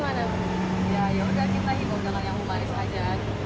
ya udah kita hibur dengan yang humanis aja